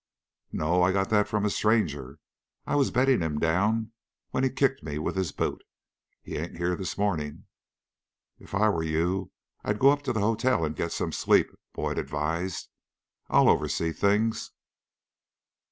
"No, I got that from a stranger. I was bedding him down when he kicked me with his boot. He ain't here this morning."' "If I were you, I'd go up to the hotel and get some sleep," Boyd advised. "I'll oversee things."